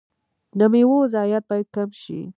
د میوو ضایعات باید کم شي.